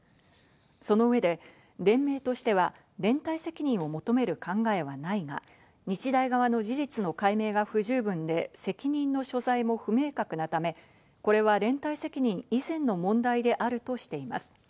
その上で、連盟としては連帯責任を求める考えはないが、日大側の事実の解明が不十分で、責任の所在も不明確なため、これは連帯責任以前の問題であるとしています。